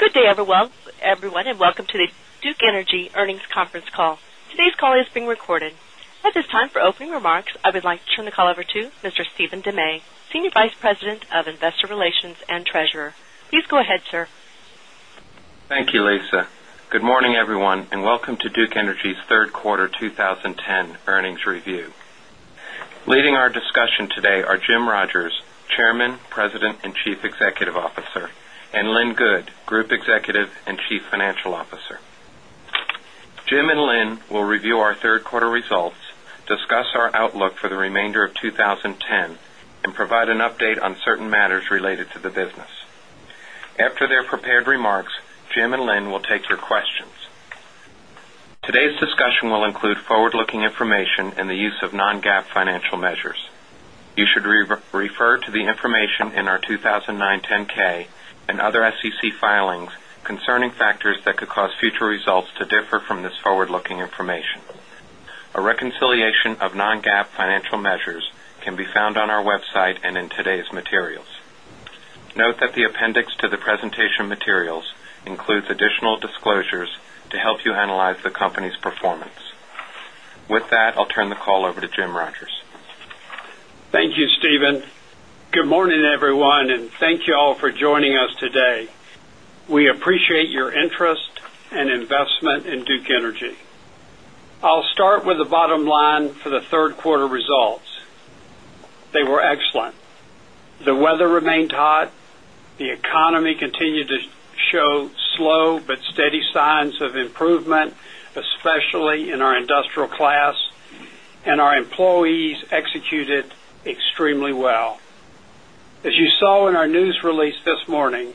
Good day, everyone, and welcome to the Duke Energy Earnings Conference Call. Today's call is being recorded. At this time, for opening remarks, I would like to turn the call over to Mr. Stephen DeMay, Senior Vice President of Investor Relations and Treasurer. Please go ahead, sir. Thank you, Lisa. Good morning, everyone, and welcome to Duke Energy's Q3 2010 earnings review. Leading our discussion today are Jim Rogers, Chairman, President and Chief Officer and Lynn Goode, Group Executive and Chief Financial Officer. Jim and Lynn will review our 3rd quarter results, discuss our outlook for the remainder of 20 10 and provide an update on certain matters related to the business. After their prepared remarks, Jim and Lynn will take your questions. Today's discussion will include forward looking information and the use of non GAAP measures. You should refer to the information in our 2,009 10 ks and other SEC filings concerning factors that could cause future results to differ from this forward looking information. A reconciliation of non GAAP financial measures can be found on our website and today's materials. Note that the appendix to the presentation materials includes additional disclosures to help you analyze the company's performance. With that, I'll turn the call over to Jim Rogers. Thank you, Stephen. Good morning, everyone, and thank you all for joining us today. We appreciate your interest and investment in Duke Energy. I'll start with the bottom line for the Q3 results. They were excellent. The weather remained hot. The economy continued to show slow but steady signs of improvement, especially in our industrial class and our employees executed extremely well. As you saw in our news release this morning,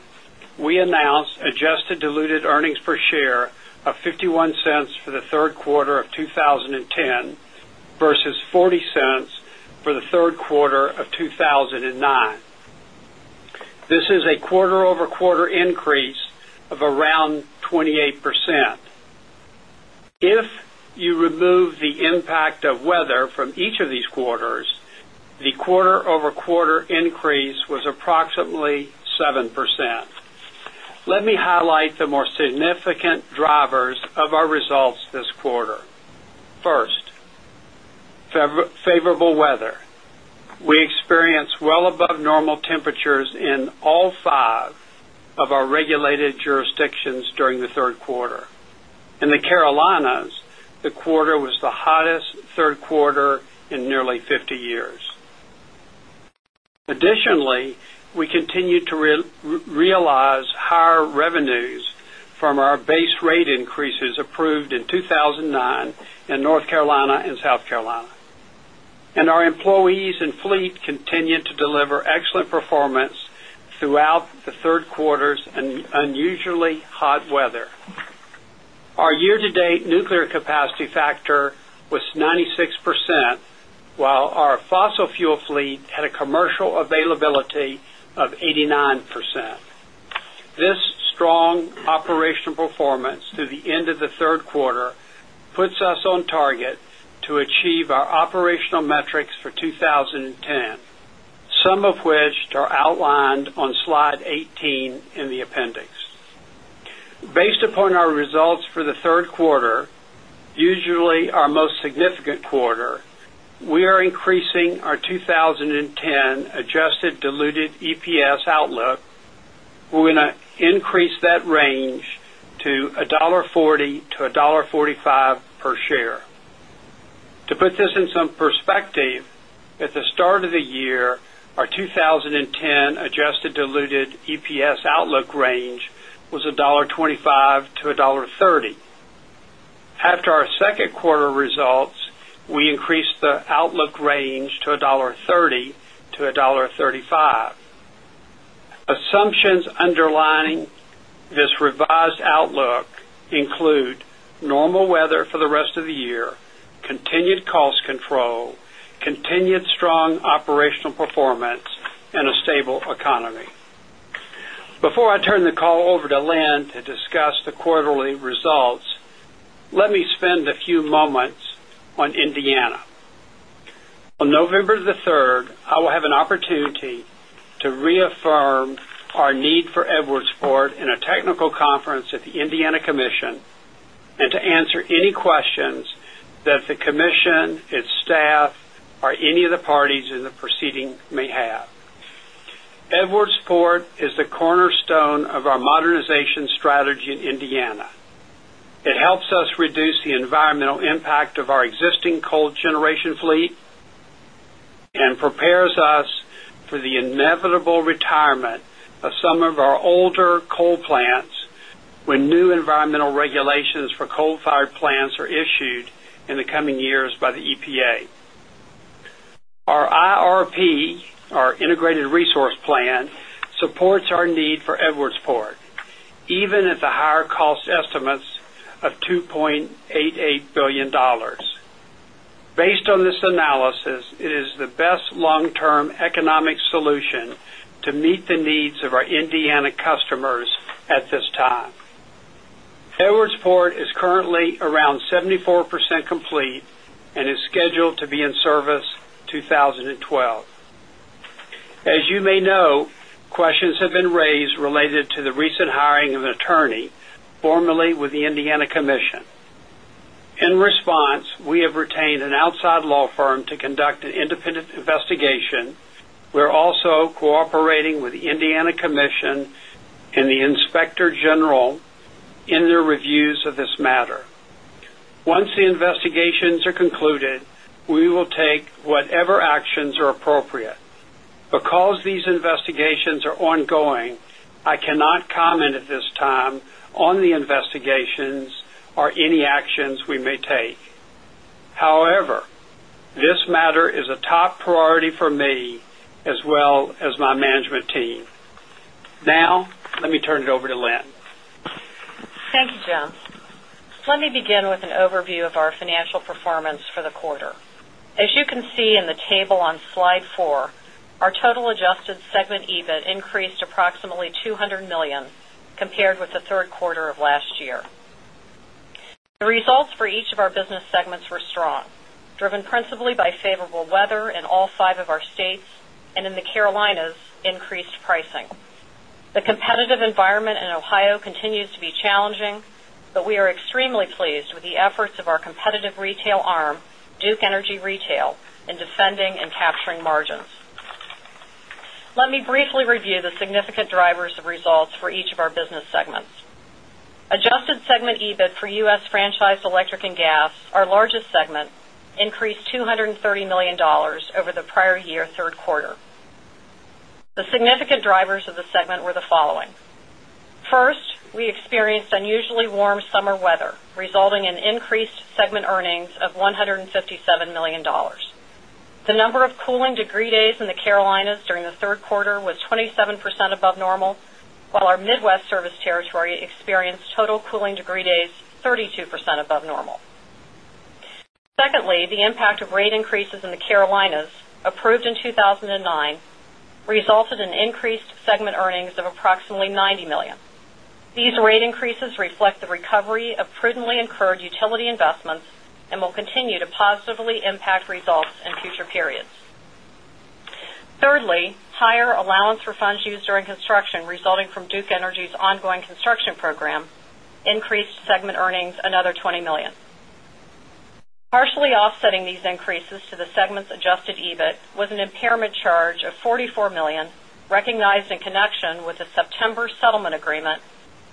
we announced adjusted diluted earnings per share of 0.51 dollars for the Q3 of 2010 versus $0.40 for the Q3 of 2000 and 9. This is a quarter over quarter increase of around 28%. If you remove the impact of weather from each of these quarters, the quarter over quarter increase was approximately 7%. Let me highlight the more significant drivers of our results quarter in nearly 50 years. Additionally, we continue to realize higher revenues from our base rate increases approved in 2,009 in North Carolina and South Carolina. And our employees and fleet continued to deliver excellent performance throughout the 3rd quarters and unusually hot weather. Our year to date nuclear capacity factor was 96% while our fossil fuel fleet had a commercial availability of 89%. This strong operational performance through the end of the third quarter puts us on target to achieve our operational metrics for 20 10, some of which are outlined on Slide 18 in the appendix. Based upon our results for the Q3, usually our most significant quarter, we are increasing our 2010 adjusted diluted EPS outlook. We're going to increase that range to $1.40 to 1.45 dollars per share. To put this in some perspective, at the start of the year, our 20 10 adjusted diluted EPS outlook range was $1.25 to 1 point $3.0 After our second quarter results, we increased the outlook range to $1.30 to $1.35 Assumptions underlying this revised outlook include normal weather for the rest of the year, continued cost control, continued strong operational performance and a stable economy. Before I turn the call over to Len to discuss the quarterly results, let me spend a few moments on Indiana. On November 3rd, I will have an opportunity to reaffirm our need for Edwardsport in a technical conference at the Indiana Commission and to answer any questions that the commission, its staff or any of the parties in the proceeding may have. Edwards Port is the cornerstone of our modernization strategy in Indiana. It helps us reduce the existing coal generation fleet and prepares us for the inevitable retirement of some of our older coal plants when new environmental regulations for coal fired plants are issued in the coming years by the EPA. Supports our need for Edwardsport even at the higher cost estimates of $2,880,000,000 Based on this analysis, it is the best long term economic solution to meet the needs of our Indiana customers at this time. Edwards Port is currently around 74% complete and is scheduled to be in service 2012. As you may know, questions have been raised related to the recent hiring of an attorney formerly cooperating with the Indiana Commission and the Inspector General in their reviews of this matter. Once the investigations are concluded, we will take whatever actions are appropriate. Because these investigations are ongoing, I cannot comment at this time on the investigations or any actions we may take. However, this matter is a top priority for me as well as my management team. Now let me can see in the table on Slide 4, our total adjusted segment EBIT increased approximately 200,000,000 dollars compared with the Q3 of last year. The results for each of our business segments were strong, driven principally by favorable weather in all 5 of our states and in the Carolinas, increased pricing. The competitive environment in Ohio continues to be challenging, but we are extremely pleased with the efforts of our competitive retail arm, Duke Energy Retail, in defending and capturing margins. Let me briefly review the significant drivers of results for each of our business segments. Adjusted segment EBIT for U. S. Franchise electric and gas, our largest segment, increased $230,000,000 over the prior year Q3. The significant drivers of the segment were the following. First, we experienced unusually warm summer weather, resulting increased segment earnings of $157,000,000 The number of cooling degree days in the Carolinas during the Q3 was 27% above normal, while our Midwest service territory experienced total cooling degree days 32% above normal. Secondly, the impact of rate increases in the Carolinas approved in 2009 resulted in increased segment earnings of approximately $90,000,000 These rate increases reflect the recovery of prudently incurred utility investments and will continue to positively impact results in future periods. Thirdly, higher allowance for funds used during construction resulting from Duke Energy's ongoing construction program increased segment earnings another 20,000,000 dollars Partially offsetting these increases to the segment's adjusted EBIT was an impairment charge of $44,000,000 recognized in connection with the September settlement agreement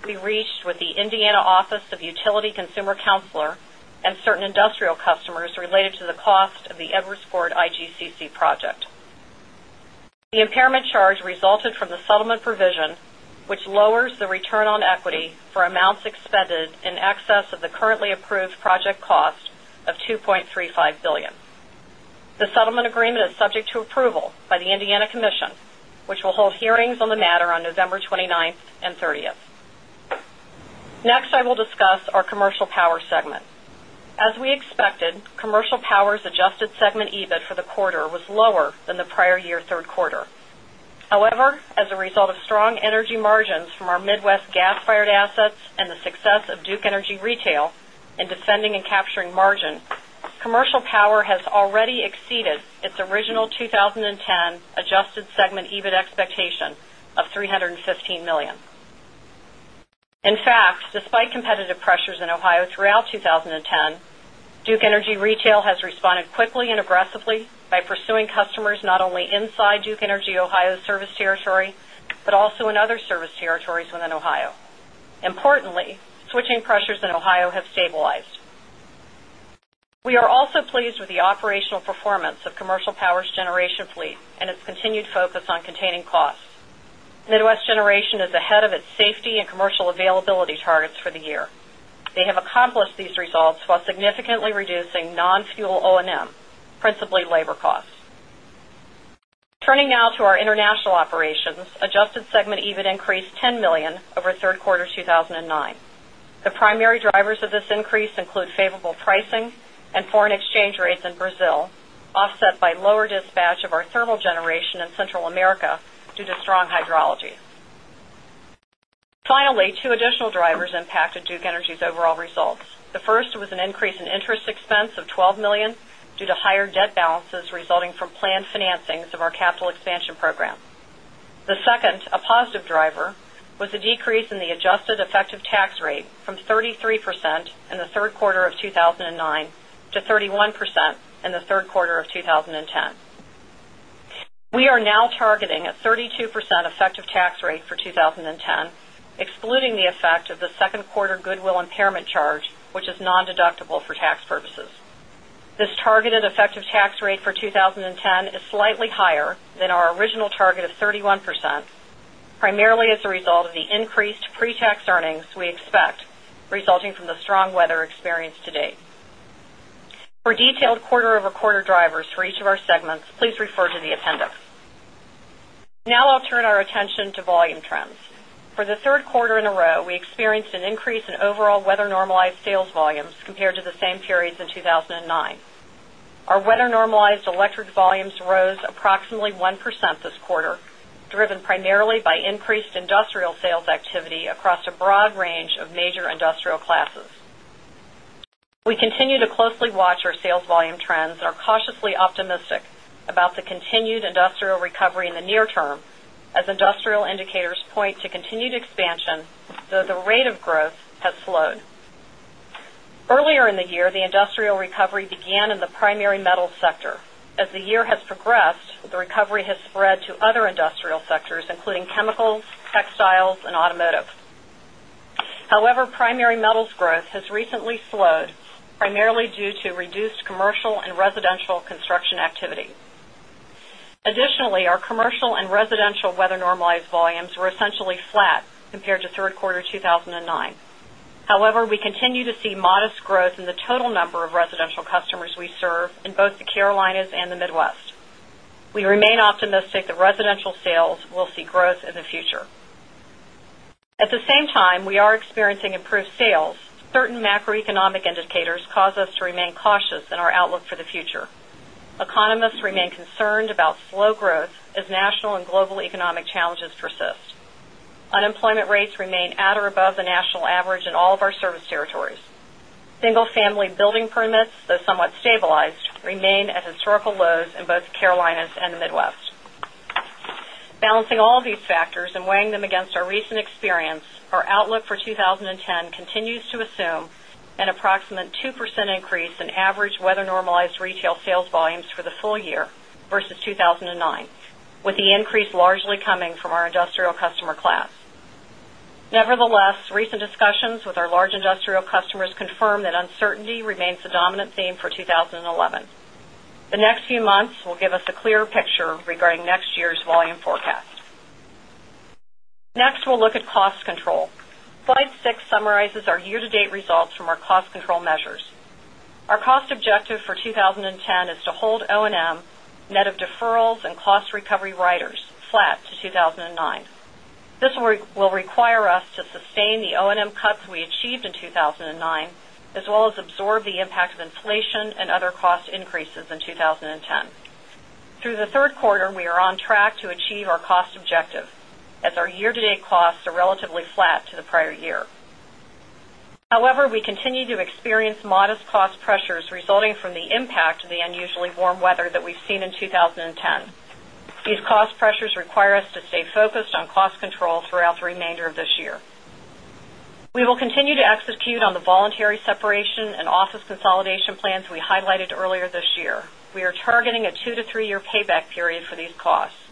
we reached with the Indiana Office of Utility Consumer Counselor and certain industrial customers related to the Edvard sport IGCC project. The impairment charge resulted from the settlement provision, which lowers the return on equity for amounts expended in excess of the currently approved project cost of $2,350,000,000 The settlement agreement is subject to approval by the Indiana Commission, which will hold hearings on the matter on November 29th 30th. Next, I will discuss our commercial power segment. As we expected, year Q3. However, as a result of strong energy margins from our Midwest gas fired assets and the success of Duke Energy Retail and defending and capturing margin, Commercial Power has already exceeded its original 2010 adjusted segment EBIT expectation of 3 $15,000,000 In fact, despite competitive pressures in Ohio throughout 20 10, Duke Energy Retail has operational performance of Commercial Power's generation fleet and its continued focus on containing costs. Midwest Generation is ahead of its safety and commercial availability targets for the year. They have accomplished these results while significantly reducing non fuel O and M, principally labor costs. Turning now to our The primary drivers of this increase include favorable pricing and foreign exchange rates in Brazil, offset by lower dispatch of our thermal generation in Central America due to strong hydrology. Finally, 2 additional drivers impacted Duke Energy's overall results. The first was an increase in interest expense of $12,000,000 due to higher debt balances resulting from planned financings of our capital expansion program. The second, a a positive driver, was a decrease in the adjusted effective tax rate from 33% in the Q3 of 2009 to 31% in the 10, excluding the effect of the 2nd quarter goodwill impairment charge, which is nondeductible for tax purposes. This targeted effective tax rate for 20.10 is slightly higher than our original target of 31%, primarily as a result of the increased pretax earnings we expect resulting from the strong weather experienced to date. For detailed quarter over quarter drivers for each of our segments, please refer to the appendix. Now I'll turn our attention to volume trends. For the Q3 in a row, we experienced an increase in overall weather normalized sales volumes compared to the same periods in 2,009. Our weather weather normalized electric volumes rose approximately 1% this quarter, driven primarily by increased industrial sales activity across a broad range of major industrial classes. We continue to closely watch our sales volume trends and are cautiously optimistic about the continued industrial industrial Earlier in the year, the industrial recovery began in the primary metals sector. As the year has progressed, the recovery has spread other industrial sectors including chemicals, textiles and automotive. However, primary metals growth has recently slowed primarily due to reduced commercial and residential construction activity. Additionally, our commercial and residential weather normalized volumes were essentially flat compared to Q3 2,009. However, we continue to see modest growth in the total number of residential customers we serve in both the Carolinas and the Midwest. We remain optimistic that residential sales will see growth in the future. At the same we are experiencing improved sales. Certain macroeconomic indicators cause us to remain cautious in our outlook for the future. Economists remain concerned about slow growth as national and global economic challenges persist. Unemployment rates remain at or above the national average in all of our service territories. Single family building permits, though somewhat stabilized, remain at historical lows in both Carolinas and the Midwest. Balancing all of these factors and weighing them against our recent experience, our outlook for 20 10 continues to assume an approximate 2 percent increase in average weather normalized retail sales volumes for the full year versus 2,009, with the increase largely coming from our industrial customer class. Nevertheless, recent discussions with our large industrial customers confirm that uncertainty remains the dominant theme for 2011. The next few months will give us a clear picture regarding next year's volume forecast. Next, we'll look at cost control. Slide 6 summarizes our year to date results from our cost control measures. Our cost objective for 20.10 is to hold O and M, net of deferrals and cost recovery the impact of inflation and other cost increases in 2010. Through the Q3, we are on track to achieve our cost objective as our year to date costs are relatively flat to the prior year. However, we continue to experience modest cost pressures resulting from the impact of the unusually warm weather that we've seen in 2010. These cost pressures require us to stay focused on cost control throughout the remainder of this year. We will continue continue to execute on the voluntary separation and office consolidation plans we highlighted earlier this year. We are targeting a 2 to 3 year payback period for these costs.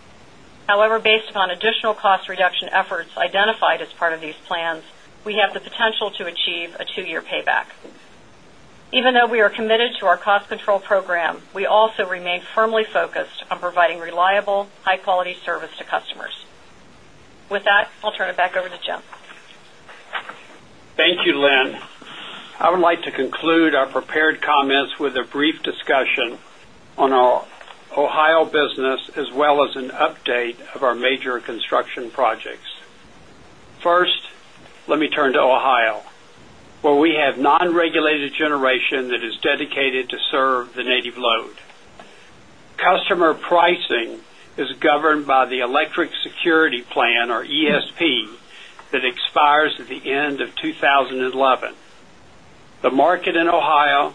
However, based upon additional cost reduction efforts identified as part of these plans, we have the potential to achieve a 2 year payback. Even though we are committed to our cost control program, we also remain firmly focused on providing reliable, high quality service to customers. With that, I'll turn it back over to Jim. Thank you, Lynn. I would like to conclude our prepared comments with Ohio, where we have non regulated generation that is dedicated to serve the native load. Customer pricing is is governed by the electric security plan or ESP that expires at the end of 2011. The market in Ohio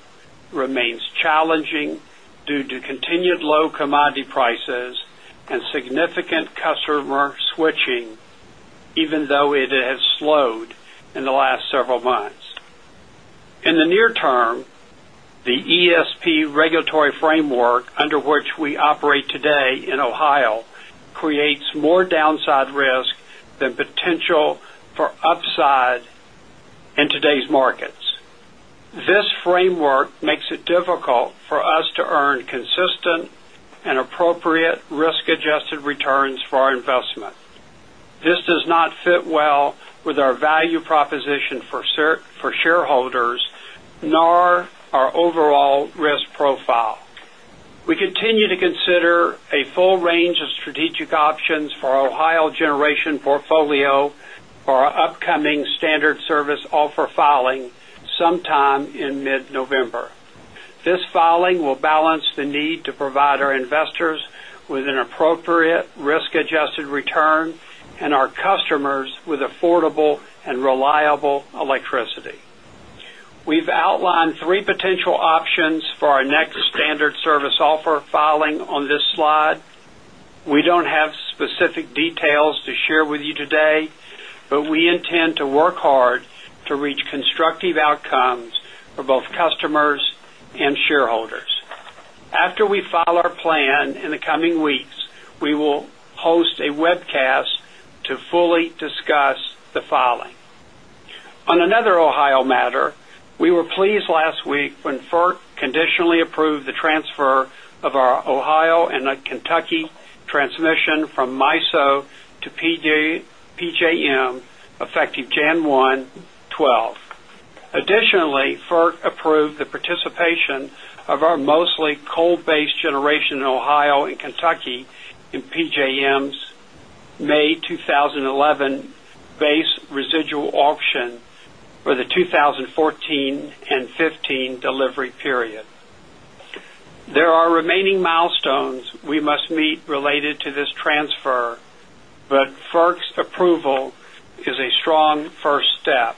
the ESP regulatory framework under which we operate today in Ohio creates more downside risk than potential for upside in today's markets. This framework makes it difficult for us to consistent and appropriate risk adjusted returns for our investment. This does not fit well with our value proposition for shareholders nor our overall risk profile. We for with an appropriate risk adjusted return and our customers with affordable and reliable electricity. We've outlined 3 potential options for our next standard service offer filing on this slide. We don't have specific After we file our plan in the coming weeks, we will host a webcast to fully discuss the filing. On another Ohio matter, we were pleased last week when FERC conditionally approved the transfer of our Ohio and Kentucky transmission from MISO to PJM effective Jan 1, 'twelve. Additionally, FERC approved the participation of our mostly coal based generation in Ohio and Kentucky in PJM's May 2011 base residual auction for the 2014 and 15 delivery period. There are remaining milestones we must meet related to this transfer, but FERC's approval is a strong first step.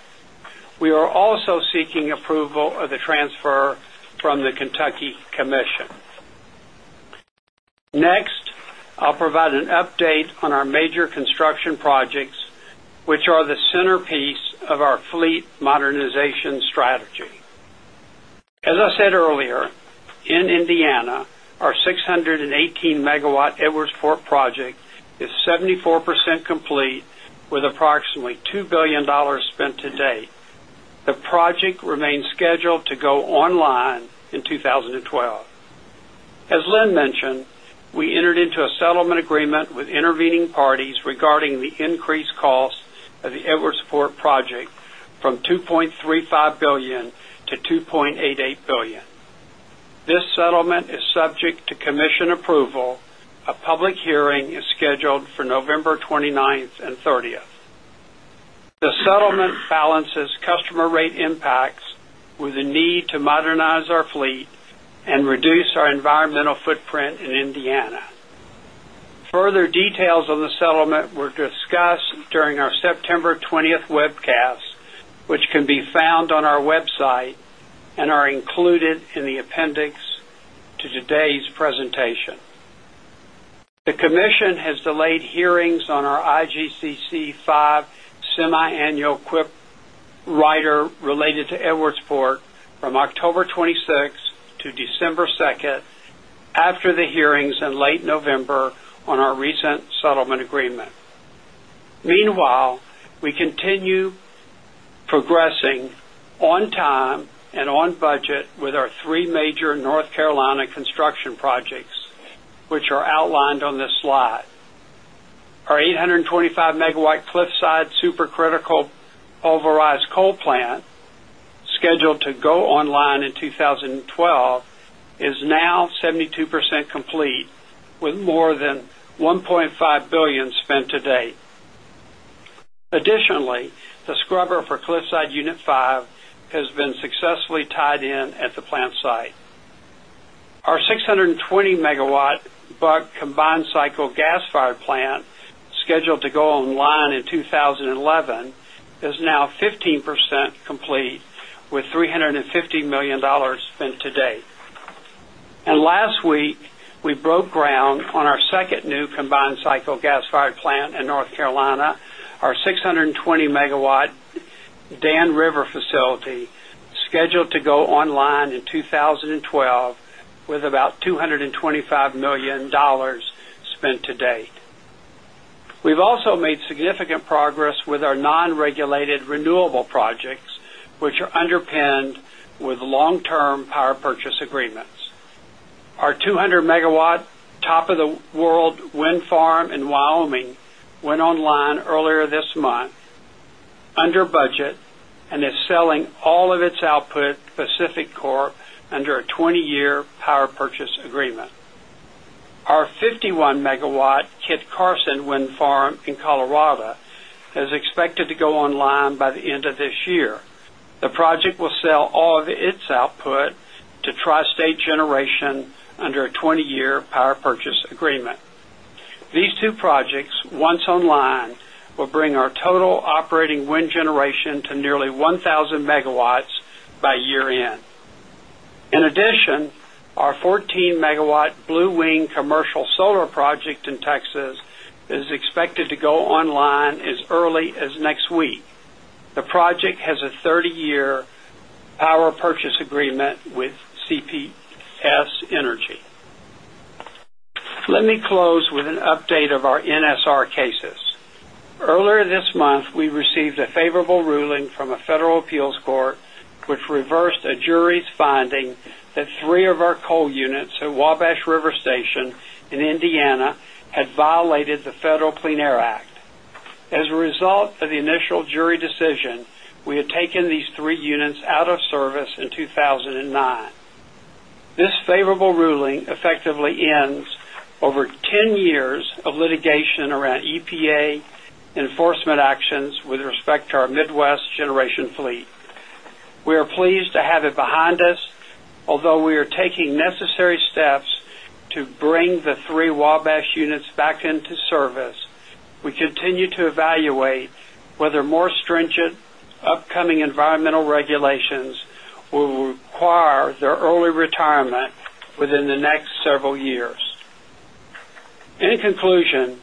We are also seeking approval of the transfer from the Kentucky Commission. Next, I'll provide an update on our major construction projects, which are the centerpiece of our fleet modernization strategy. As I said earlier, in Indiana, our 6 18MW Edwards Fort project is 74% complete with approximately $2,000,000,000 spent to date. The project remains scheduled to go online in 2012. As Lynn mentioned, we entered into a settlement agreement with intervening parties regarding the increased cost of the Edwards Fort project from $2,350,000,000 to 2.8 $8,000,000,000 This settlement is subject to commission approval, a public hearing is scheduled for November 29th 30th. The settlement balances customer rate impacts with the need to modernize our fleet and reduce our environmental footprint in Indiana. Further details on the settlement were discussed during our September 20th web cast, which can be found on our website and are included in the appendix to today's presentation. The commission has delayed hearings on our IGCC V semiannual QIP rider related to Edwardsport from October continue progressing on time and on budget with our 3 major North Cliffside Supercritical pulverized coal plant scheduled to go online in 2012 is now 72% complete with more than $1,500,000,000 spent to date. Additionally, the scrubber for Cliffside Unit 5 has been 20 in 2011 is now 15% complete with $350,000,000 spent to date. And last week, we broke ground on our 2nd new combined cycle gas fired plant in North Carolina, our 620 Megawatt Dan River facility scheduled to go online in 2012 with about $225,000,000 spent to date. We've also made significant progress with our non regulated renewable projects, which are underpinned with long term power purchase agreements. Our 200 Megawatt Top of the World Wind Farm in Wyoming went online earlier this month, under budget and is selling all of its output Pacific Corp under a 20 year power purchase agreement. Our 51 Megawatt wind farm in Colorado is expected to go online by the end of this year. The project will sell all of its output to tri state generation under a 20 year power purchase agreement. These two projects, once online, will bring our total operating wind generation to nearly 1,000 megawatts by year end. In addition, our 14 Megawatt Blue Wing commercial solar project in Texas is expected to go online as early as Let me close with an update of our NSR cases. Earlier this month, we received a favorable ruling from a federal appeals court which reversed a jury's finding that 3 of our coal units at Wabash River Station in Indiana had violated the Federal Clean Air Act. As a result of the initial jury decision, we had taken these 3 units out of service in 2,009. This favorable ruling effectively ends over 10 years of litigation around EPA enforcement actions with respect to our Midwest generation fleet. We are pleased to have it behind us, although we are taking necessary steps to bring the 3 Wabash units back into service, we continue to evaluate whether more stringent upcoming environmental regulations will require their early retirement within the next several years. In conclusion,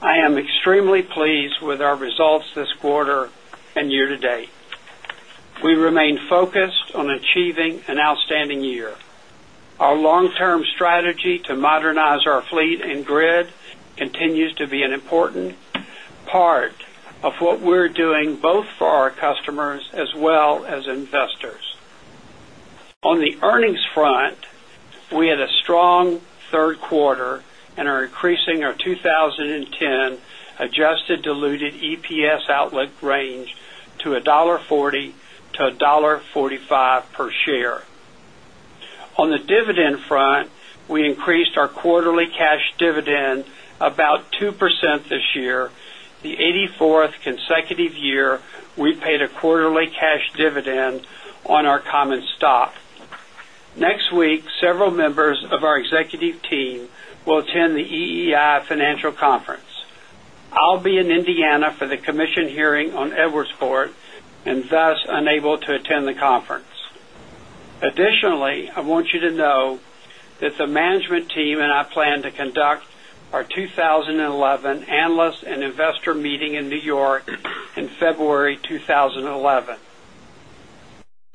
I am extremely pleased with our results this quarter and year to date. We remain focused on achieving an outstanding year. Part of what we're doing both for our customers as well as investors. On the earnings front, we had a strong third quarter and are increasing our 2010 adjusted diluted EPS outlook range to $1.40 to 1 $0.45 per share. On the dividend front, we increased our quarterly cash dividend about 2% this year, the 84th consecutive year we paid a quarterly cash dividend on our common stock. Next week, several members of our executive team will attend the EEI Financial Conference. I'll be in Indiana for the commission hearing on Edwards Court and thus unable to attend the conference. Additionally, I want you to know that the 2011.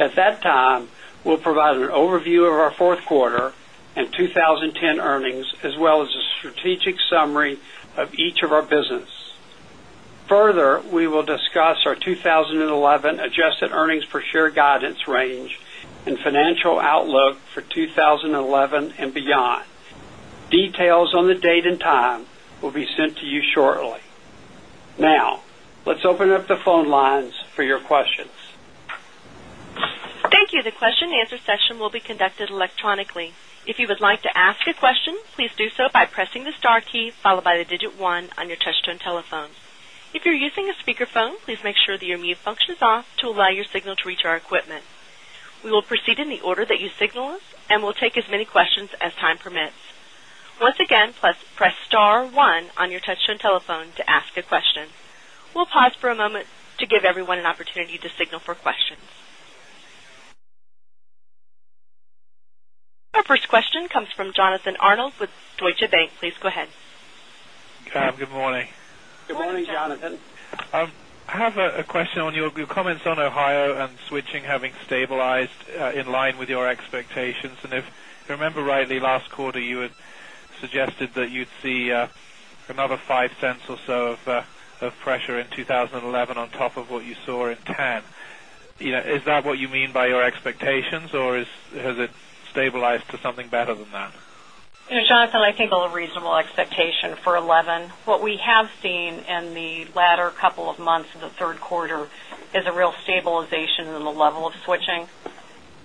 At that time, we'll provide an overview of our Q4 and 2010 earnings as well as a strategic summary of each of our business. Further, we will discuss our 2011 adjusted earnings per share guidance range and financial outlook for 20 11 and beyond. Thank you. The question and answer session will be conducted Our first question comes from Jonathan Arnold with Deutsche Bank. Please go ahead. Good morning. Good morning, Jonathan. I have a question on your comments on Ohio and switching having stabilized in line with your expectations. And if I remember rightly, last quarter, you had suggested that you'd see another $0.05 or so of pressure in 2011 on top of what you saw in 20 10. Is that what you mean by your expectations? Or has it stabilized to something better than that? Jonathan, I think a reasonable expectation for 11. What we have seen in the latter couple of months of Q3 is a real stabilization in the level of switching,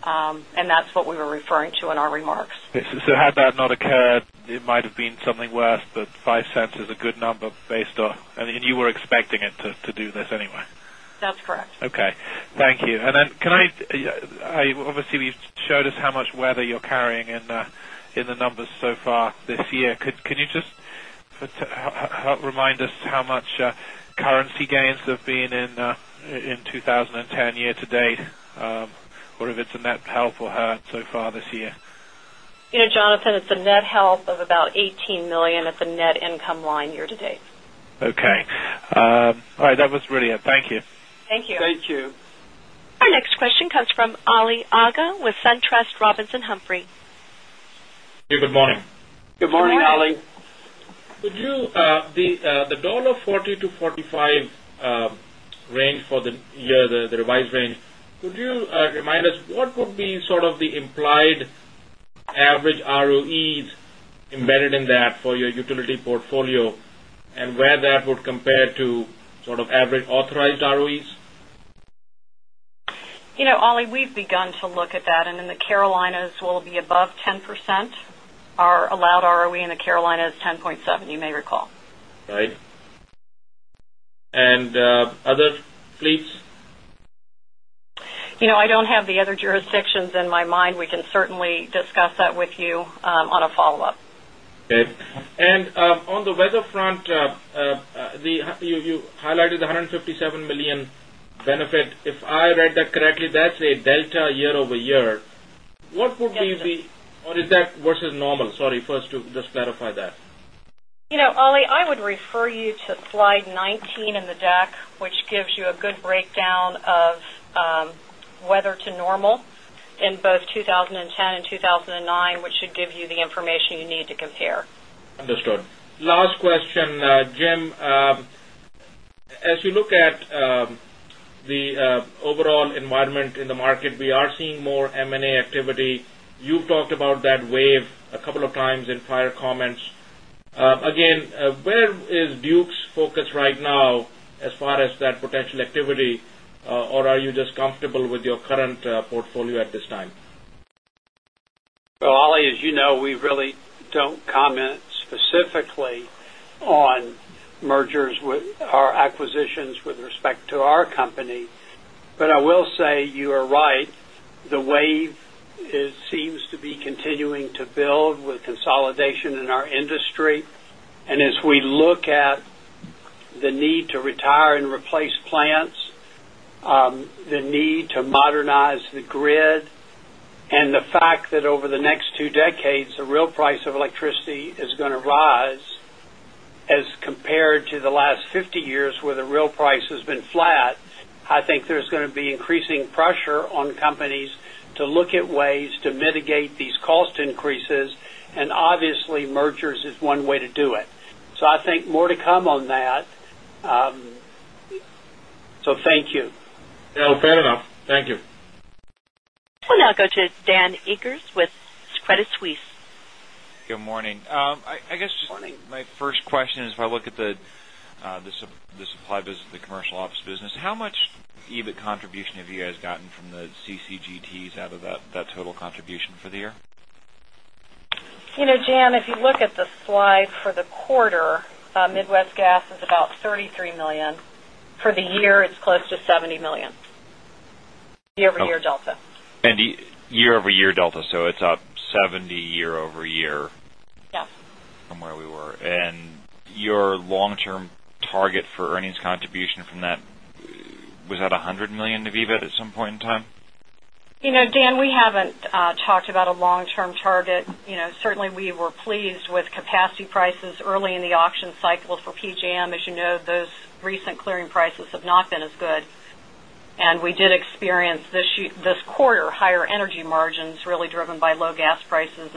and that's what we were referring to in our remarks. So had that not occurred, it might have been something worse, but $0.05 is a good number based on and you were expecting it to do this anyway? That's correct. Okay. Thank you. And then can I obviously, you've showed us how much weather you're carrying in the numbers so far this year? Can you just remind us how much currency gains have been in 2010 year to date? Or if it's a net help or hurt so far this year? Jonathan, it's a net help of about $18,000,000 at the net income line year to date. Our next question comes from Ali Agha with SunTrust Robinson Humphrey. Could you the $1.40 to $0.45 range for the year, the revised range, Could you remind us what would be sort of the implied average ROEs embedded in that for your utility portfolio and where that would compare to sort of average authorized ROEs? Ali, we've begun to look at that. And in the Carolinas, we'll be above 10%. Our allowed ROE in the Carolinas is 10.7%, you may recall. Right. And other fleets? I don't have the other jurisdictions in my mind. We can certainly discuss that with you on a follow-up. And on the weather front, you highlighted the $157,000,000 benefit. If I read that correctly, that's a delta year over year. What would be or is that versus or is that versus normal? Sorry, first to just clarify that. Ali, I would refer you to Slide 19 in the deck, which gives you a good break down of weather to normal in both 20,102,009, which should give you the information you need to compare. Understood. Last question, Jim, the the overall environment in the market, we are seeing more M and A activity. You've talked about that wave a couple of times in prior comments. Again, where is Duke's focus right now as far as that specifically on mergers with our acquisitions with respect to our company. But I will say you are right, the wave seems to be continuing to build with consolidation in our industry. And as we look at the need to retire and replace plants, the need to modernize the grid and the fact that over the next 2 decades, the real price of electricity is going to rise as compared to the last 50 years where the real price has been flat, I think there's going to be increasing pressure on companies to look at ways to mitigate these cost increases and obviously, mergers is one way to do it. So I think more to come on that. So thank you. We'll now go to Dan Akers with Credit Suisse. Good morning. I guess my first question is if I look at the supply business, the commercial office business, how much EBIT contribution have you guys gotten from the CCGTs out of that total contribution for the year? Jan, if you look at the slide for the quarter, Midwest Gas is about $33,000,000 For the year, it's close to $70,000,000 year over year delta. And the year over year delta, so it's up $70,000,000 year over year from where we were. And your long term target for earnings contribution from that, was that $100,000,000 of EBIT at some point in time? Dan, haven't talked about a long term target. Certainly, we were pleased with capacity prices early in the auction cycle for PJM. As you know, those recent clearing prices have not been as good. And we did experience this quarter higher energy margins really driven by low gas talk of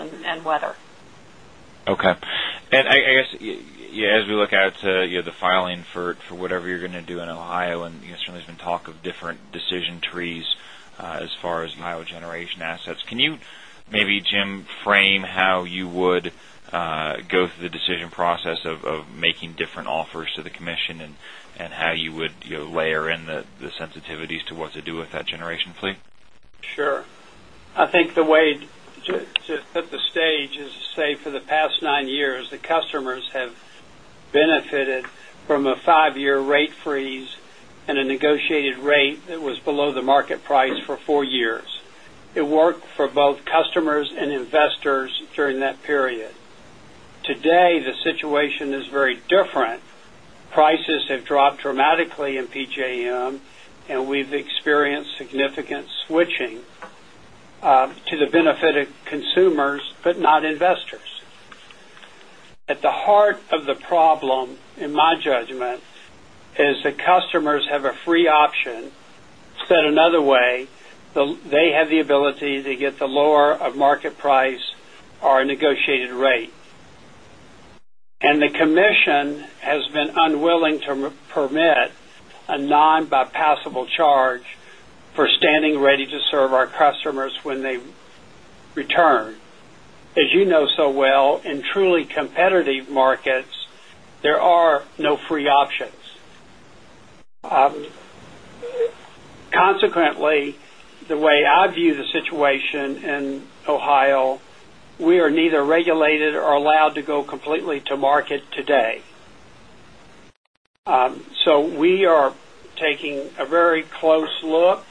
different talk of different decision trees as far as biogeneration assets. Can you maybe Jim frame how you would go through sensitivities to what to do with that generation fleet? Sure. I think the way to put the stage is to say for the past 9 years, the the customers have benefited from a 5 year rate freeze and a negotiated rate that was below the market price for 4 years. It worked for both customers and investors during that period. Today, the situation is very different. Prices have dropped dramatically in PJM and we've experienced significant switching to the benefit of consumers, but not investors. At the heart of the problem, in my judgment, is customers have a free option. Said another way, they have the ability to get the lower of market price charge for standing ready to serve our customers when they return. As you know so well, in truly competitive markets, there are no free options. Consequently, the way I view the situation in Ohio, we are neither regulated or allowed to go completely to market today. So we are taking a very close look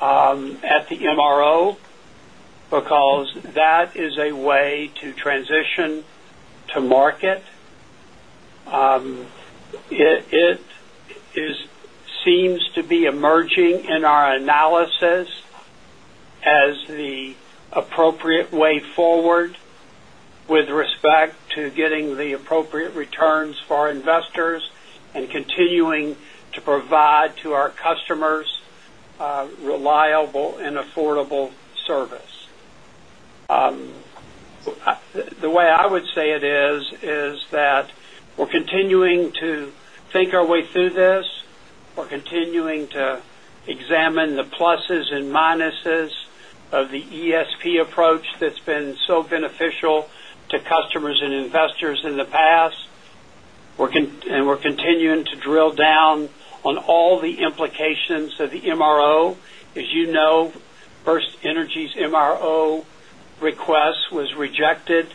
at the MRO because that is a way to transition to market. It seems to be emerging in our analysis as the appropriate way forward with respect to getting the appropriate returns for our investors and continuing to provide to our customers reliable and affordable service. The way I would say it is, is that we're continuing to think our way through this. We're continuing to examine the pluses and minuses of the ESP approach that's been so beneficial to customers and investors in the past and we're continuing to drill down on all the implications of the MRO. As you know, FirstEnergy's MRO request was rejected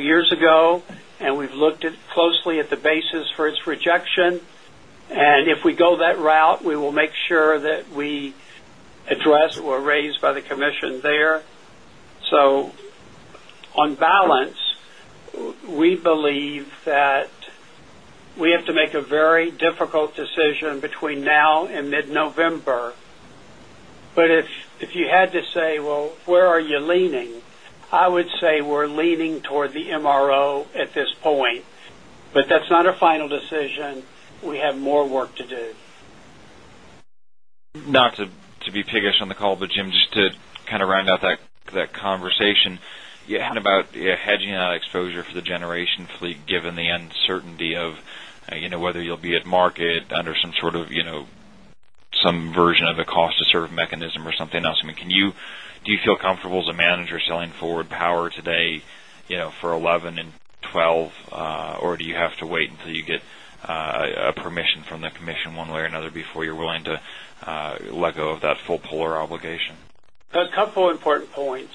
years ago and we've looked closely at the basis for its rejection and if we go that route, we will make sure that we address or raised by the commission there. So on balance, we believe that we have to make a very difficult decision between now and mid November. But if you had to say, well, where are you leaning? I would say we're leaning toward the MRO at this point. But that's not our final decision. We have more work to do. Not to be piggish on the call, but Jim, just to kind of round out that conversation you had about hedging out exposure for the generation fleet given the uncertainty of whether you'll be at market under some sort of some version of a cost to serve mechanism or something else. I mean, can you do you feel comfortable as a manager selling forward power today for 11 2012 or do you have to wait until you get permission from the commission one way or another before you're willing to let go of that full polar obligation? There's a couple of important points.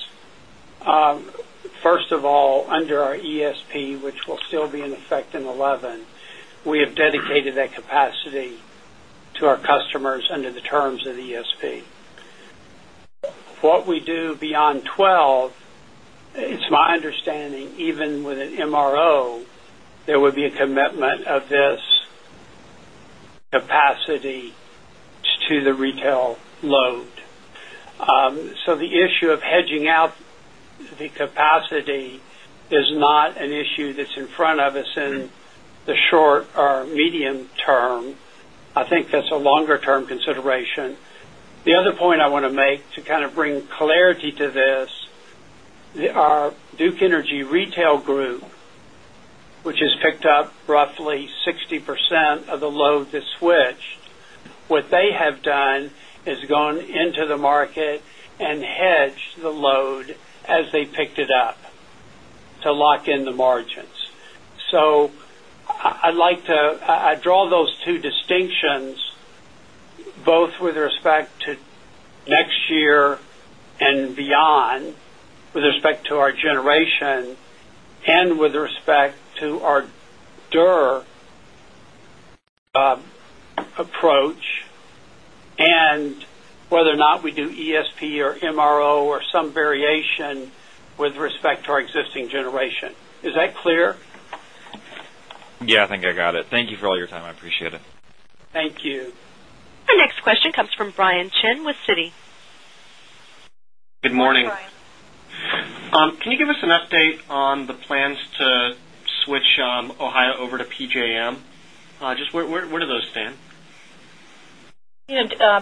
First of all, under our ESP, which will still be in effect in 'eleven, we have dedicated that capacity to our customers under the terms of ESP. What we do beyond 12, it's my understanding even with an MRO, there would be a commitment of this capacity to the retail load. So the issue of hedging out the capacity is not an issue that's in front of us in the short or medium term. I think that's a longer term consideration. The other point I want to make to kind of bring clarity to this, our Duke Energy Retail Group, which has picked up roughly 60% of the load that switched, what they have done is gone into the market and hedge the load as they picked it up to lock in the margins. So I'd like to I draw those two distinctions both with respect next year and beyond with respect to our generation and with respect to our DIR approach and whether or not we do ESP or MRO or some variation with respect to our existing generation. Is that clear? Yes, I think I got it. Thank you for all your time. I appreciate it. Thank you. Our next question comes from Brian Chin with Citi. Good morning. Can give us an update on the plans to switch Ohio over to PJM? Just where do those stand?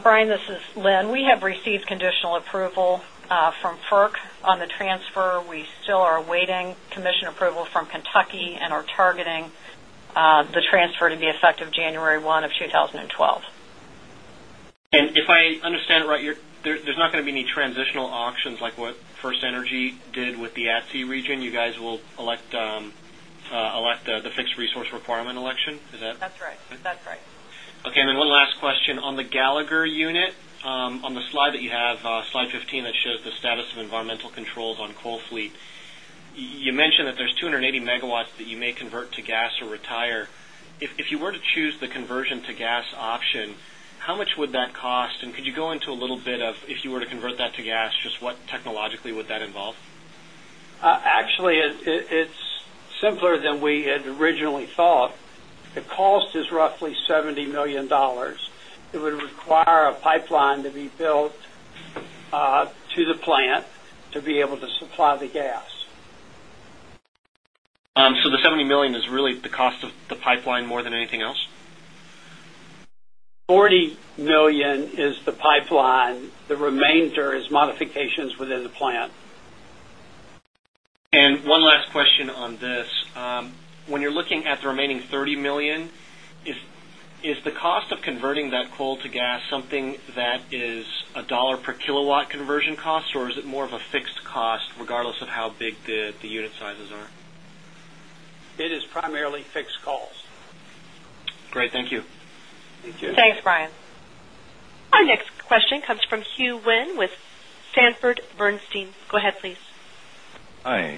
Brian, this is Lynn. We have received conditional approval from FERC on the transfer. We still are approval from Kentucky and are targeting the transfer to be effective January 1, 2012. And if I understand right, there's not going to be any transitional auctions like what FirstEnergy did with the ATSI region. You guys will elect the fixed resource requirement election, is that? That's right. Okay. And then one last question. On the Gallagher unit, on the slide that you have, Slide 15, that shows the status of environmental controls on coal fleet. You mentioned that there's 2.80 option, how much would that cost? And could you go into a little bit of if you were to option, how much would that cost? And could you go into a little bit of if you were to convert that to gas, just what technologically would that involve? Actually, it's simpler than we had originally thought. The cost is roughly $70,000,000 It would require a pipeline to be built to the plant to be able to supply the gas. So the $70,000,000 is really the cost of the pipeline more than anything else? $40,000,000 is the pipeline. The remainder is modifications within the plant. And one last question on this. When you're looking at the remaining $30,000,000 is the cost of converting that coal to gas something that is $1 per kilowatt conversion cost? Or is it more of a fixed cost regardless of how big the unit sizes are? It is primarily fixed Our next question comes from Huynh with Sanford Bernstein. Go ahead please. Hi.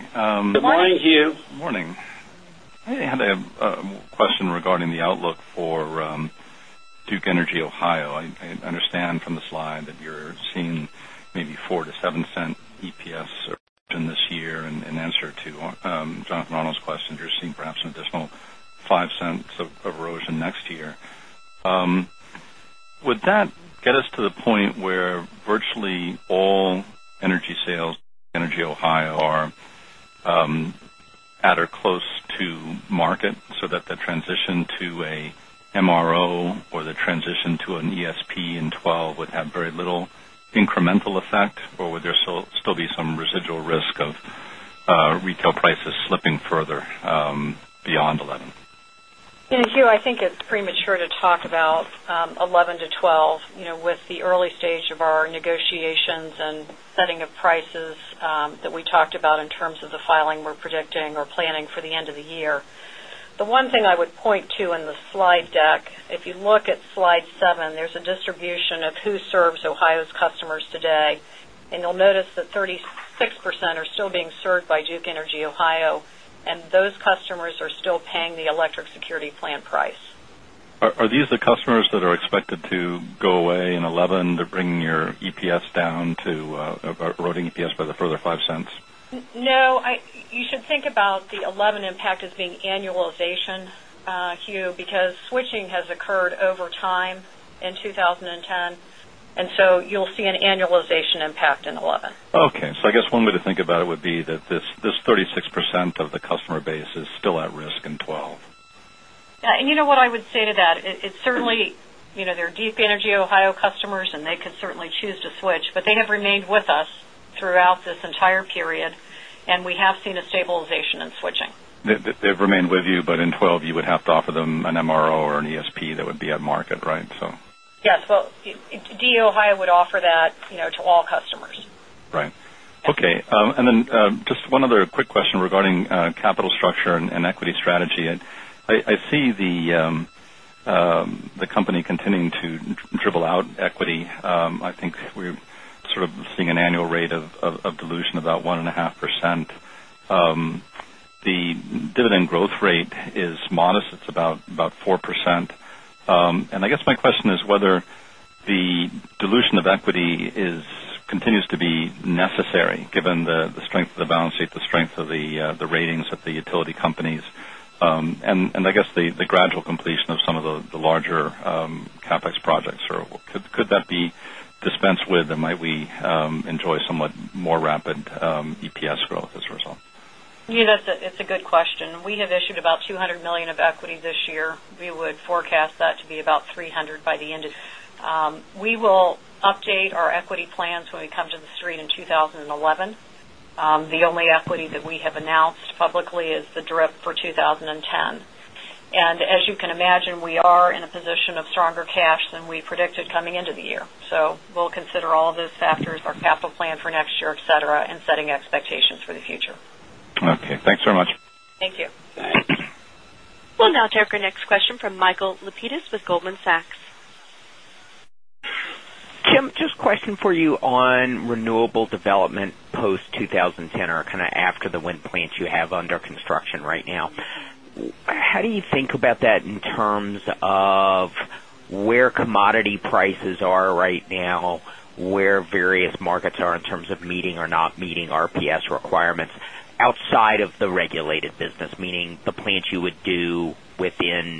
Good morning. Good morning. Good morning. I had a question regarding the outlook for Duke Energy Ohio. I understand from the slide that you're seeing maybe 0 point 0 $4 to 0 point 0 $7 EPS in this year. And in answer to, Jonathan Arnold's question, you're seeing perhaps an additional $0.05 of erosion next year. Would that get us to the point where virtually all energy sales, EnergyOhio are at or close to market so that the transition to a MRO or the transition to an ESP in 2012 would have very little incremental effect or would there still be some residual risk of retail prices slipping further beyond 'eleven? Hugh, I think it's premature to talk about 11 to 12 with the early stage of our negotiations and setting of prices that we talked about in terms of the filing we're predicting or planning for the end of the year. The one thing I would point to in the slide deck, if you look at Slide 7, there's a distribution of who serves Ohio's customers today, and you'll notice that 36% are still being served by Duke Energy Ohio, and those customers are still paying the electric security plan price. Are these customers that are expected to go away in 11 to bringing your EPS down to eroding EPS by the further 5¢? Dollars No. You should think about the $0.11 impact as being annualization, Hugh, because switching has occurred over time in 2010, and so you'll see an annualization impact in 2011. Okay. I guess one way to think about it would be that this 36% of the customer base is still at risk in 2012. Yes. And you know what I would say to that, it's certainly they're Deep Energy Ohio customers and they could certainly choose to switch, but they have remained with us throughout this entire period and we have seen a stabilization in switching. DEO Ohio would offer that to all customers. Right. DEO Ohio would offer that to all customers. Right. Okay. And then just one other quick question regarding capital structure and equity strategy. I see the company continuing to dribble out equity. I think we're seeing an annual rate of dilution about 1.5%. The dividend growth rate is modest. It's about 4%. And I guess my question is whether the dilution of equity continues to be necessary given the strength of the balance sheet, the strength of the ratings of the utility companies, and I guess the gradual completion of some of the larger CapEx projects, or could that be dispensed with and might we enjoy somewhat more rapid EPS growth as a result? Yes, it's a good question. We have issued about $200,000,000 of equity this year. We would forecast that to be about $300,000,000 by the end of the year. We will update our equity plans when we come to the Street in 2011. The only equity that we have announced publicly is the DRIP for 20 those factors, our capital plan for next year, etcetera, and setting expectations for the future. Okay. Thanks very much. Thank you. We'll now take our next question from Michael Lapides with Goldman Sachs. Tim, just a question for you on renewable development post 2010 or kind of after the wind plants you have under construction right now. How do you think markets are in terms of meeting or not meeting RPS requirements outside of the regulated business, meaning the plants you would do within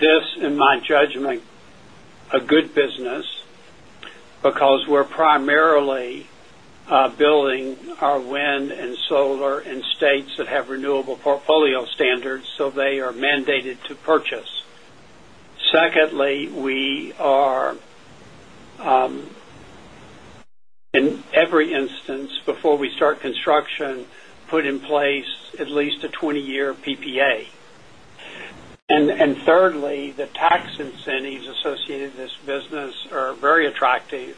it. This in my judgment, a good business because we're primarily building our wind and solar in states that have renewable portfolio standards, so they are mandated to purchase. Secondly, we are mandated to purchase. Secondly, we are in every instance before we start construction, put in place at least a 20 year PPA. And thirdly, the tax incentives associated with this business are very attractive.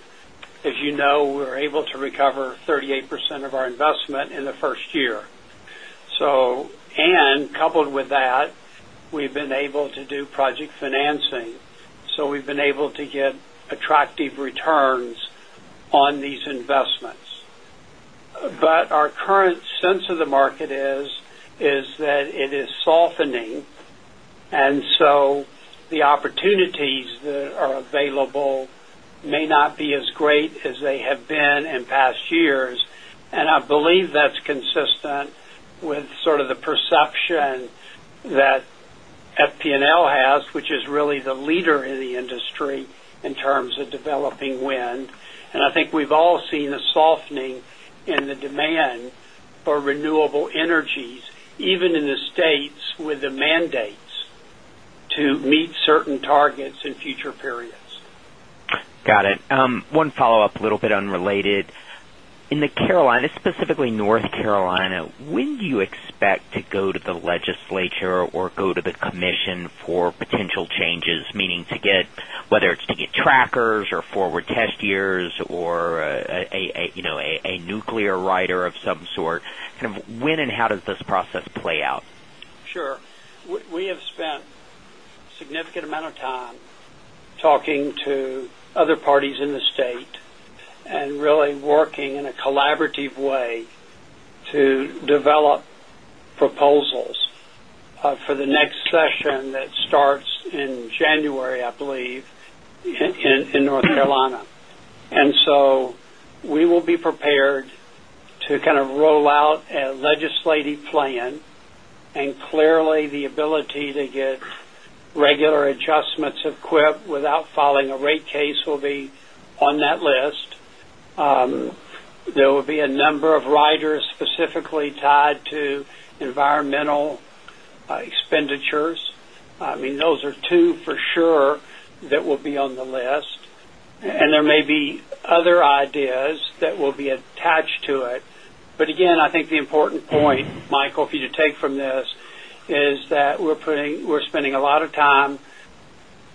As you know, we're able to recover 38% of our investment in the 1st year. And coupled with that, we've been able to do project financing. So we've been able to get attractive returns on these investments. But our current sense of the market is that it is softening and so the opportunities that are available may not be as great as they have been in past years and I believe that's consistent with sort of the perception that FP and L has which is really the leader in the industry in terms of developing wind. And I think we've all seen a softening in the demand for renewable energies even in the states with the mandates to meet certain targets in future periods. Got it. One follow-up, a little bit unrelated. In the Carolina, specifically North Carolina, when do you expect to go to the legislature or go to the commission for potential changes, meaning to get whether it's to get trackers or forward test years or a nuclear rider of some sort, kind of when and how does this process play out? Sure. We have spent significant amount of time talking to other parties in the state and really working in a collaborative way to develop proposals for the next session that starts in January, I believe, in North Carolina. And so we will be prepared to kind of roll out a legislative plan and clearly the ability to get regular adjustments of QIP without filing a rate case will be on that list. There will be a number of riders specifically tied to there may be other ideas that will be attached to it. But again, I think the important point, Michael, if you could take from this is that we're putting we're spending a lot of time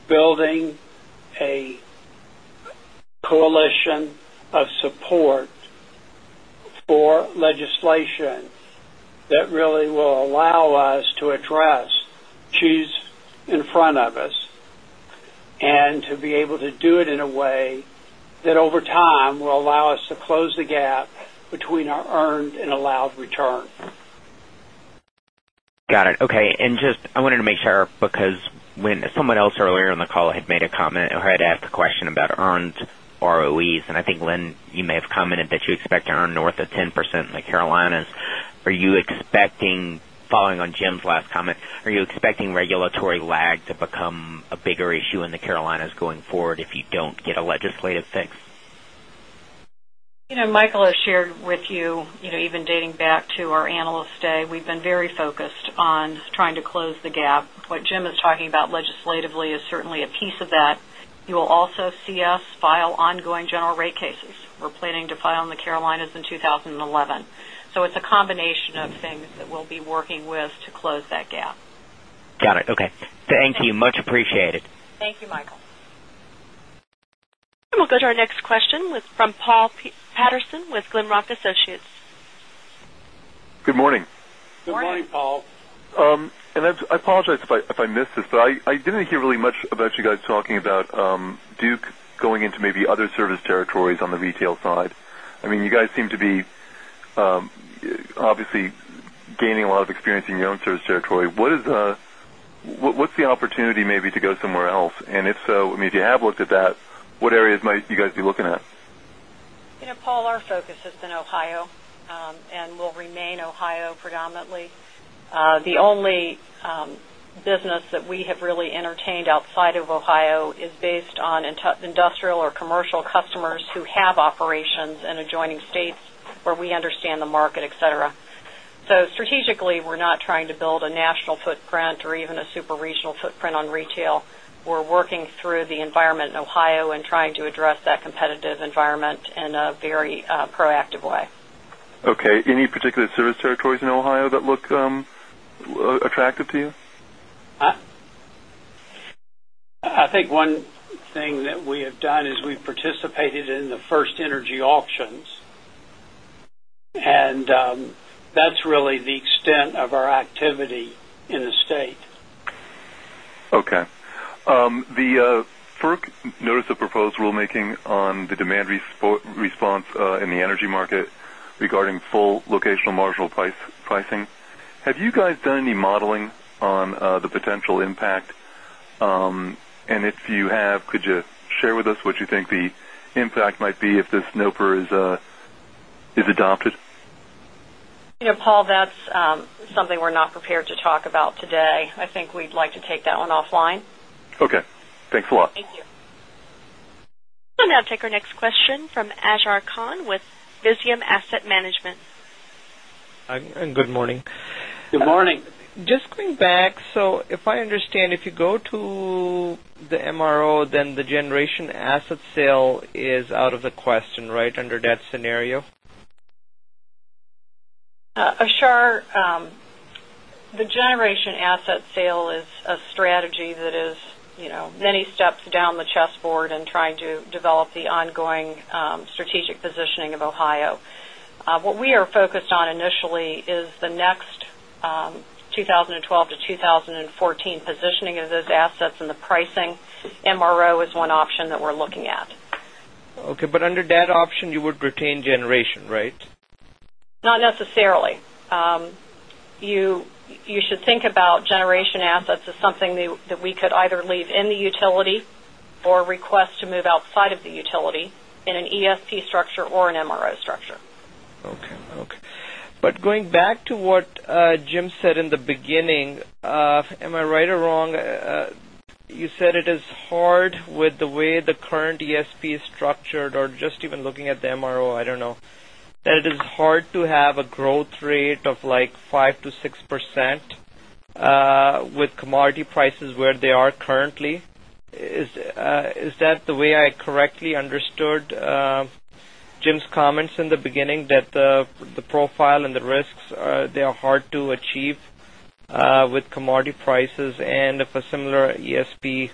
building a coalition of support for legislation that really will allow us to address choose in front of us and to be able to do it in a way that over time will allow us to close the gap between our earned and allowed return. Got it. Okay. And just I wanted to make sure because when someone else earlier in the call had made a comment or had asked a question about earned ROEs and I think Lynn you may have commented that you expect to earn north of 10% in the Carolinas. Following on Jim's last comment, are you expecting regulatory lag to become a bigger issue in the Carolinas going forward if you don't get a focused on trying to close the gap. What Jim is talking about legislatively is certainly a piece of that. You will also see us file ongoing general rate cases. We're planning to file in the Carolinas in 2011. So it's a combination of things that we'll be working with to close that gap. Got it. Okay. Thank you. Much appreciated. Thank you, Michael. We'll go to our next question with from Paul Patterson with Glenrock Associates. Good morning. Good morning, Paul. And I apologize if I missed this, but I didn't hear really much about you guys talking about Duke going into maybe other service territories on the retail side. I mean, you guys seem to be obviously gaining a lot of experience in your own service territory. What's the opportunity maybe to go somewhere else? And if so, I mean, if you have looked at that, what areas might you guys be looking at? Paul, our focus has been Ohio, and will remain Ohio predominantly. The only business that we have really entertained outside of Ohio is based on industrial or commercial customers who have operations in adjoining states where we understand the market, etcetera. So strategically, we're not trying to build a national footprint or even a super regional footprint on retail. We're working through the environment in Ohio and trying to address that competitive environment in a very proactive way. Okay. Any particular service territories in Ohio that look attractive to you? I think one thing that we have done is we've participated in the first energy The FERC notice of proposed rulemaking on the demand response in the energy market regarding full locational marginal pricing, Have you guys done any modeling on the potential impact? And if you have, could you share with us what you think the impact might be if the snoper is adopted? Paul, that's something we're not prepared to talk about today. I think we'd like to take that one offline. Okay. Thanks a lot. Thank you. We'll now take our next question from Azar Khan with Visium Asset Management. Good morning. Good morning. Just going So if I understand, if you go to the MRO, then the generation asset sale is out of the question, right, under that scenario? Ashar, the generation asset sale is a strategy that is many steps down the chessboard in trying to develop the ongoing strategic positioning of Ohio. What we are focused on initially is the next 2012 to 2014 positioning of those assets and the pricing, MRO is one option that we're looking at. Okay. But under that option, you would retain generation, right? Not necessarily. You should think about generation assets as something that we could either leave in the utility or request to move outside of the utility in an ESP structure or an MRO structure. Okay. But going back to what Jim said in the beginning, am I right or wrong? You said it is hard with the way the current ESP is structured or just even looking at the MRO, I don't know, that it is hard to have a growth rate of like 5% to 6% with commodity prices where they are currently. Is that the way I correctly understood Jim's comments in the beginning that the profile and the risks, they are hard to achieve with commodity prices and if a similar ESP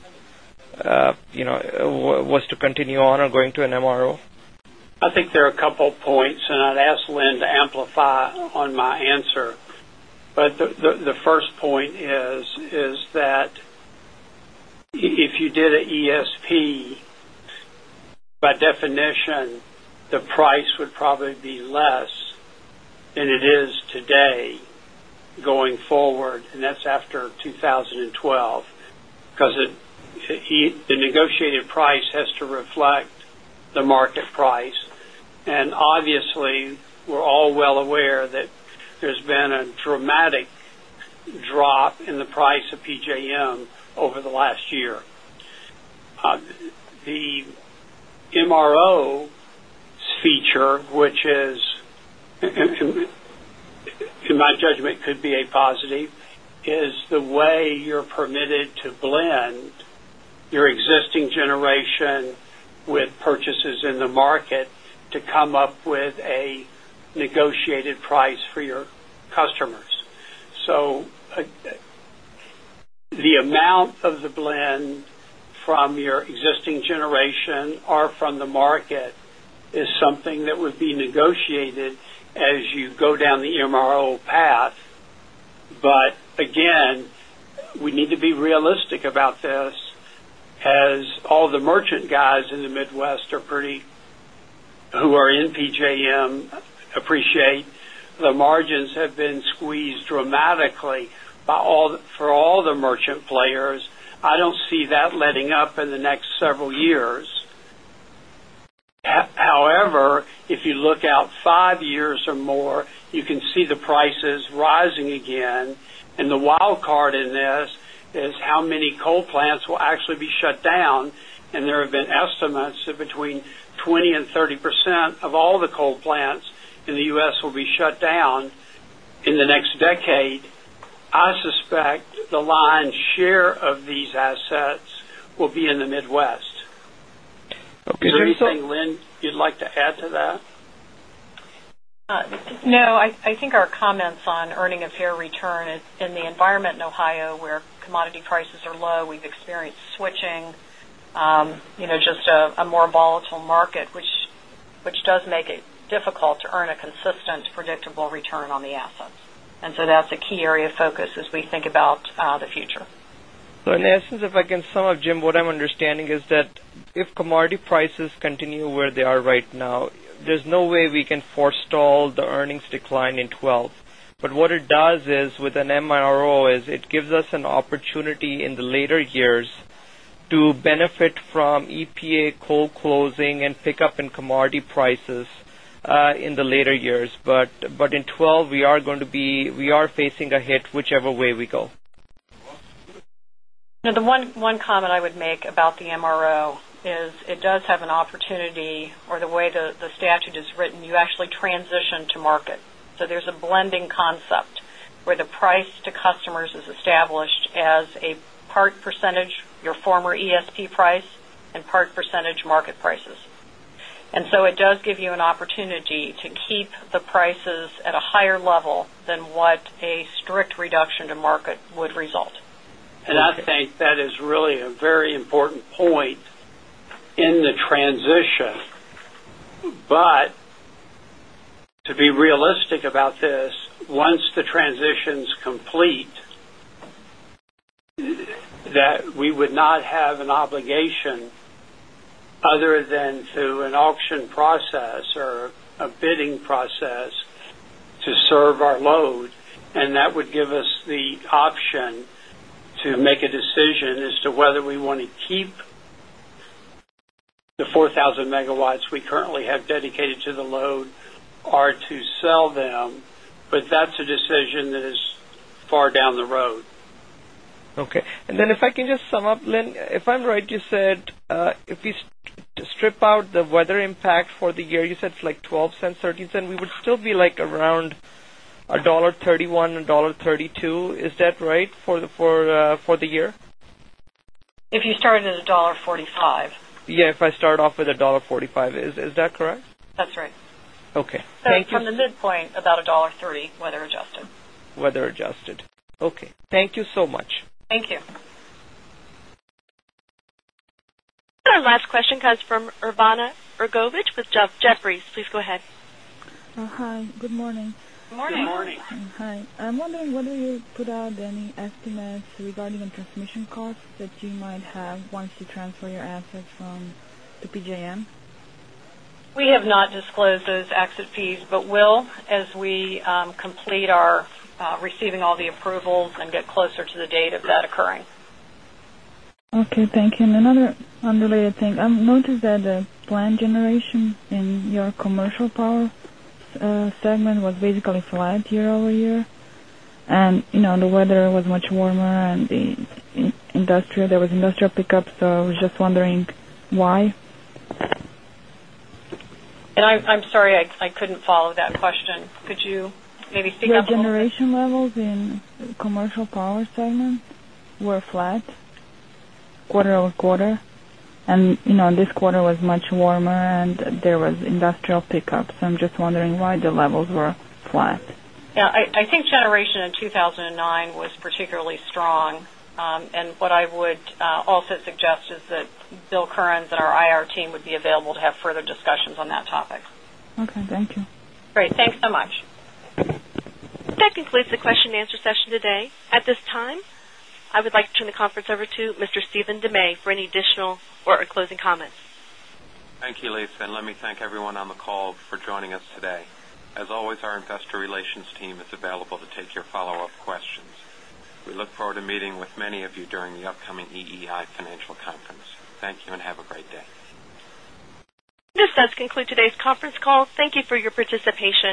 was to continue on or going to an MRO? I think there are a couple of points and I'd ask Lynn to amplify on my answer. But the first point is that if you did an ESP, by definition, the price would be less than it is today going forward and that's after 2012 because the negotiated price has to reflect the market price. And obviously, we're all well aware that there's been a dramatic drop in the price of PJM over the last year. The MRO feature, which is in judgment could be a positive is the way you're permitted to blend your existing generation with purchases in the market to come up with a negotiated price for your customers. So the amount of the blend from your existing generation or from the market is to be realistic about this as all the merchant guys in the Midwest are pretty who are in PJM appreciate the margins have been squeezed dramatically by all for all the merchant players. I don't see that letting up in the next several years. However, if you and there have been estimates that between 20% 30% of all the coal plants in the U. S. Will be shut down in the next decade, I suspect the lion's share of these assets will be in the Midwest. Is there anything, Lynn, you'd like to add to that? No. I think our comments on earning a fair return in the environment in Ohio where commodity prices are low, we've experienced switching, just a more volatile market, which does make make it difficult to earn a consistent predictable return on the assets. And so that's a key area of focus as we think about the future. So in essence, if I can sum up, Jim, what I'm understanding is that if commodity prices continue where they are right now, there's no way we can forestall the earnings decline in 2012. But what it does is with an MRO is it gives us an opportunity in the later years to benefit from EPA coal closing and pickup in commodity prices in the later years. But in 2012, we are going to be we are facing a hit whichever way we go. The one comment I would make about the MRO is it does have an opportunity or the way the statute is written, you transition to market. So there's a blending concept where the price to customers is established as a part percentage, your former ESP price and part percentage market prices. And so it does give you an opportunity to the prices at a higher level than what a strict reduction to market would result. And I think that is really a very important point in the transition. But to be realistic about this, once the transition is complete that we would not have an obligation other than to an auction process or a bidding process to serve our load and that would give us the option to make a decision as to whether we want to keep the 4,000 megawatts we currently have dedicated to the load are to sell them, but that's a decision that is far down the road. Okay. And then if I can just sum up, Lynn, if I'm right, you said, if you strip out the $1.3 for the year? If you started at $1.45 Yes, if I start off with $1.45 is that correct? That's right. Okay. Thank you. So from the midpoint about $1.30 weather adjusted. Weather adjusted. Okay. Thank you so much. Thank you. Our last question comes from Urvana Yegovitch with Jefferies. Please go ahead. Hi. Good morning. Good morning. Good morning. Hi. I'm wondering whether you put out any estimates regarding the transmission costs that you exit fees, but will as we complete our receiving all the approvals and get closer to the date of that occurring. Okay. And another unrelated thing. I noticed the plant generation in your commercial power segment was basically flat year over year. And the weather was much warmer and the industrial there was industrial pickup. So I was just wondering why? And I'm sorry, I couldn't follow that question. Could you maybe speak The generation levels in Commercial Power segment were flat quarter over quarter. And this quarter was much warmer and there was industrial pickup. So I'm just wondering why the levels were flat. Yes. I think generation in 2,009 was particularly strong. And what I would also suggest is that Bill Curran and our IR team would be available to have further discussions on that topic. Okay. Thank you. Great. Thanks so much. That concludes the question and answer session today. At this time, I would like to turn the conference over to Mr. Stephen DeMay for any additional or closing comments. Thank you, Lisa. And let me thank everyone on the call for joining us today. As always, our Investor Relations team is available to take your follow-up questions. We look forward to meeting with many of you during the upcoming EEI financial conference. Thank you and have a great day. This does conclude today's conference call. Thank you for your participation.